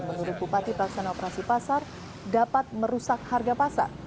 menurut bupati pelaksana operasi pasar dapat merusak harga pasar